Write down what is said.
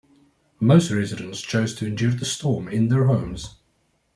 Most residents chose to endure the storm in their homes.